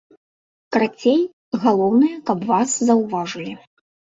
Карацей, галоўнае, каб вас заўважылі.